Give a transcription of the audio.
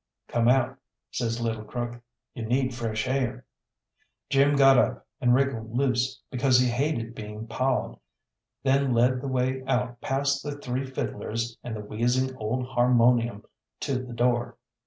"Come out," says little Crook, "you need fresh air." Jim got up, and wriggled loose, because he hated being pawed, then led the way out past the three fiddlers and the wheezing old harmonium to the door.